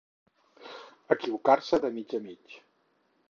Equivocar-se de mig a mig.